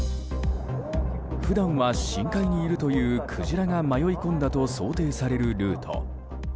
普段は深海にいるというクジラが迷い込んだと想定されるルート。